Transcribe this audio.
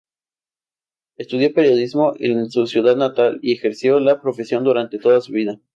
Estudió periodismo en su ciudad natal y ejerció la profesión durante toda su vida.